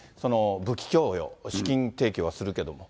武器供与、資金提供はするけども。